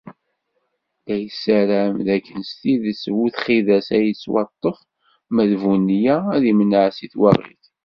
La yessaram d akken s tidet bu txidas ad yettwaṭṭef, ma d bu nniya ad imneɛ si twaɣit.